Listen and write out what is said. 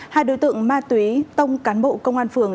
hai đối tượng ma túy tông cán bộ công an phường